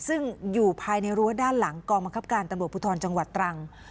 ซึ่งอยู่ภายในรั้วด้านหลังกองบังคับการตำรวจภูทรจังหวัดตรัง